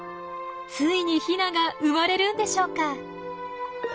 ついにヒナが生まれるんでしょうか？